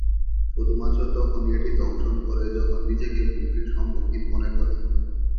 শুধুমাত্র তখনই এটি দংশন করে যখন নিজেকে হুমকির সম্মুখীন মনে করে।